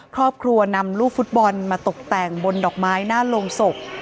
ครอบครัวนำลูกฟุตบอลมาตกแต่งบนดอกไม้หน้าโรงศพ